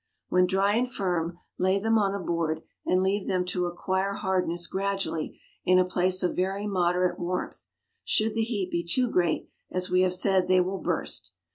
When dry and firm, lay them on a board and leave them to acquire hardness gradually in a place of very moderate warmth; should the heat be too great, as we have said, they will burst.